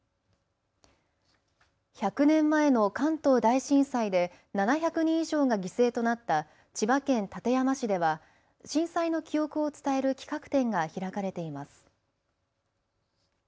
１００年前の関東大震災で７００人以上が犠牲となった千葉県館山市では震災の記憶を伝える企画展が開かれています。